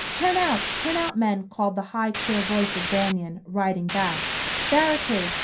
"Turn out! Turn out, men!" called the high, clear voice of Banion, riding back. "Barricade!